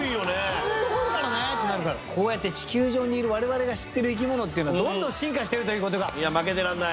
ホント掘るからねってなるからこうやって地球上にいるわれわれが知っている生き物っていうのはどんどん進化してるっていうことがいや負けてらんない